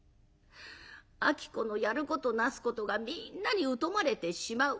子のやることなすことがみんなに疎まれてしまう。